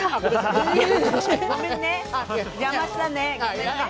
ごめんね、邪魔したね。